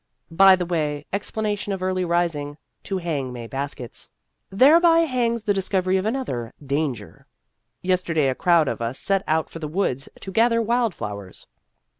By the way, explanation of early rising to hang May baskets. Thereby hangs the discovery of another " Danger." Yes terday a crowd of us set out for the woods to gather wild flowers.